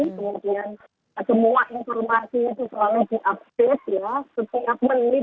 kemudian semua informasi itu selalu diupdate ya setiap menit